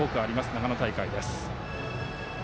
長野大会です。